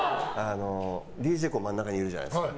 ＤＪＫＯＯ真ん中にいるじゃないですか。